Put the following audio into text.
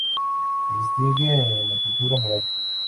Se distingue en la pintura mural.